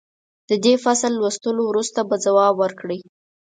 د دې فصل لوستلو وروسته به ځواب ورکړئ.